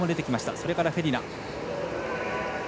それからフェディナ。